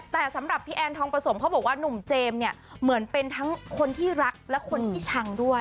แต่สำหรับพี่แอนทองประสมเขาบอกว่าหนุ่มเจมส์เนี่ยเหมือนเป็นทั้งคนที่รักและคนที่ชังด้วย